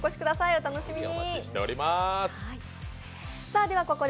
お楽しみに！